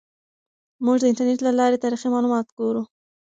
موږ د انټرنیټ له لارې تاریخي معلومات ګورو.